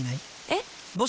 えっ？